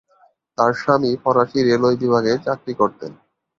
তার স্বামী ফরাসি রেলওয়ে বিভাগে চাকরি করতেন।